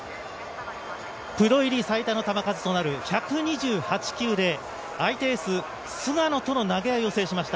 プロ入り最多の球数となる１２８球で相手エース・菅野との投げ合いを制しました。